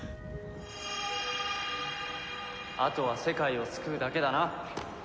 あとは世界を救うだけだな。